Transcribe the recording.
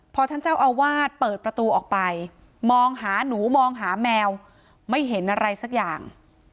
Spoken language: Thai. พอท่านเจ้าอาวาสเปิดประตูออกไปมองหาหนูมองหาแมวไม่เห็นอะไรสักอย่าง